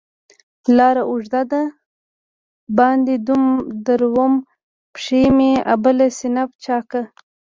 لار اوږده ده باندې درومم، پښي مې ابله سینه چاکه